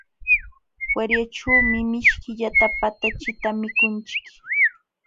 Feriaćhuumi mishkillata patachita mikunchik.